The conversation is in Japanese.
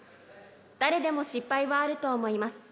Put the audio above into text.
誰でも失敗はあると思います。